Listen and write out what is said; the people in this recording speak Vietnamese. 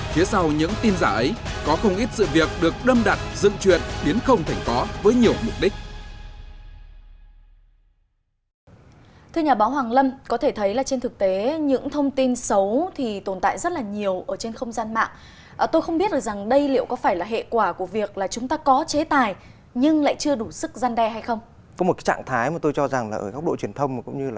phía sau những tin giả ấy có không ít sự việc được đâm đặt dựng chuyện biến không thành có với nhiều mục đích